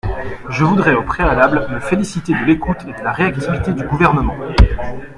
Je voudrais au préalable me féliciter de l’écoute et de la réactivité du Gouvernement.